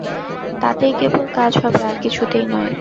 তাতেই কেবল কাজ হবে, আর কিছুতেই নয়।